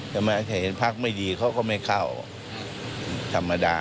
ทำไมเห็นพักไม่ดีเขาก็ไม่เข้าธรรมดา